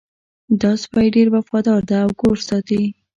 دا سپی ډېر وفادار ده او کور ساتي